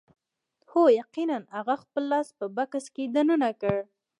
هو یقیناً هغه خپل لاس په بکس کې دننه کړ